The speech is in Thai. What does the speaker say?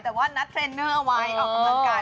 แต่ว่านัดเทรนเนอร์เอาไว้ออกกำลังกาย